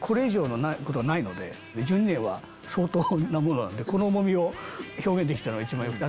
１２年は相当なものなんでこの重みを表現できたのが一番よくて。